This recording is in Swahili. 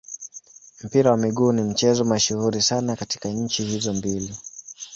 Mpira wa miguu ni mchezo mashuhuri sana katika nchi hizo mbili.